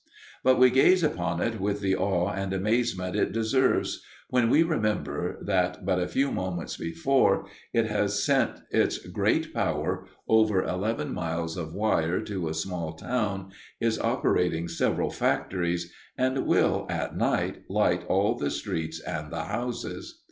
But we gaze upon it with the awe and amazement it deserves when we remember that, but a few moments before, it has sent its great power over eleven miles of wire to a small town, is operating several factories, and will, at night, light all the streets and the houses.